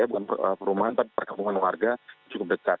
bukan perumahan tapi perkampungan warga cukup dekat